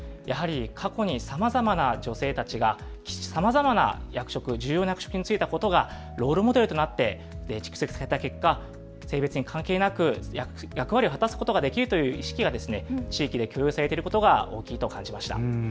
やはり過去にさまざまな女性たちがさまざまな役職、重要な役職に就いたことがロールモデルとなって蓄積された結果、性別に関係なく役割を果たすことができるという意識が地域で共有されていることが大きいと感じました。